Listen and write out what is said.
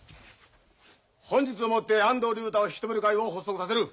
本日をもって安藤竜太を引き止める会を発足させる。